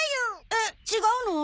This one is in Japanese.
えっ違うの？